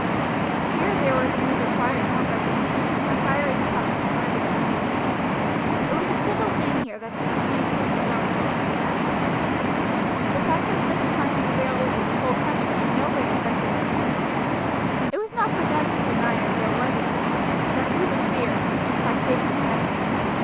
Here there was neither quiet nor resignation, but fiery talk and stern determination; it was a settled thing here that the machines were responsible for the bad times. The fact that such times prevailed over the whole country in no way affected their opinion. It was not for them to deny that there was a war, that food was dear, and taxation heavy.